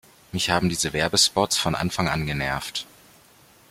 Mich haben diese Werbespots von Anfang an genervt.